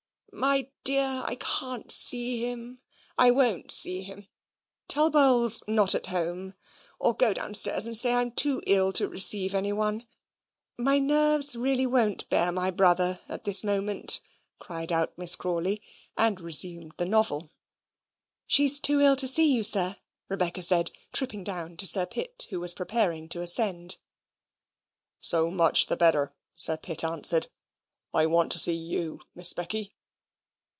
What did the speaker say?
"My dear, I can't see him. I won't see him. Tell Bowls not at home, or go downstairs and say I'm too ill to receive any one. My nerves really won't bear my brother at this moment," cried out Miss Crawley, and resumed the novel. "She's too ill to see you, sir," Rebecca said, tripping down to Sir Pitt, who was preparing to ascend. "So much the better," Sir Pitt answered. "I want to see YOU, Miss Becky.